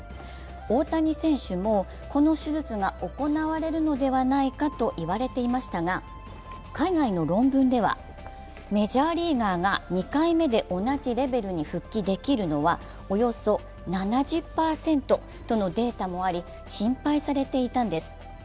大谷選手もこの手術が行われるのではないかといわれていましたが海外の論文ではメジャーリーガーが２回目で同じレベルに復帰できるのはおよそ７０％とのデータもあり、心配されていたんです。